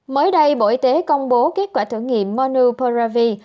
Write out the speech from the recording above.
mới đây bộ y tế công bố kết quả thử nghiệm monuperavi